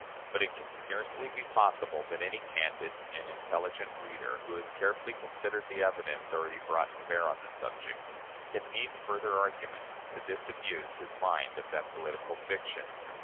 But it can scarcely be possible that any candid and intelligent reader, who has carefully considered the evidence already brought to bear on the subject, can need further argument to disabuse his mind of that political fiction.